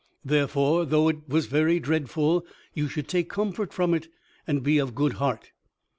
Therefore, though it was very dreadful, you should take comfort from it and be of a good heart."